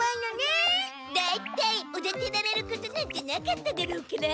だいたいおだてられることなんてなかっただろうから。